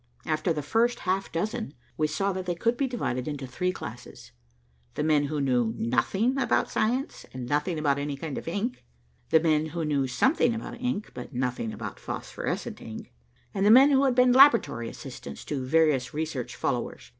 After the first half dozen, we saw that they could be divided into three classes, the men who knew nothing about science and nothing about any kind of ink, the men who knew something about ink but nothing about phosphorescent ink, and the men who had been laboratory assistants to various research followers.